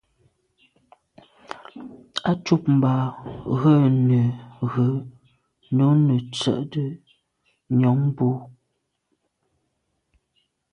Á cúp mbɑ̄ rə̌ nə̀ rə̀ nǔ nə̄ tsə́’də́ nyɔ̌ŋ bú.